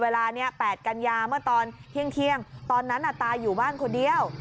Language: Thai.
เวลานี้๘กันยาเมื่อตอนเที่ยงตอนนั้นตาอยู่บ้านคนเดียว